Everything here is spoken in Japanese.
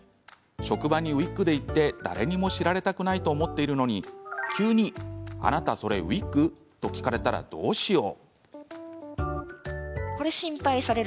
職場にウイッグで行って誰にも知られたくないと思っているのに急に、あなたそれウイッグ？と聞かれたら、どうしよう。